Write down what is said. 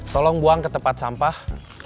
tolong buang ke tempat sampah